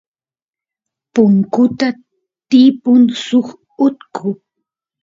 punkuta tiypun suk utku